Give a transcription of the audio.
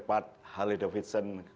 dopo secara polisi yang